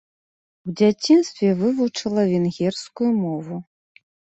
У дзяцінстве вывучыла венгерскую мову.